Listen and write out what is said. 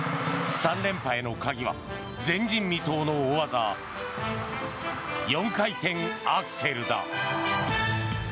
３連覇への鍵は前人未到の大技４回転アクセルだ。